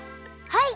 はい！